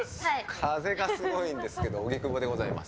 風がすごいんですけど荻窪でございます。